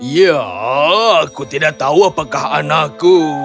ya aku tidak tahu apakah anakku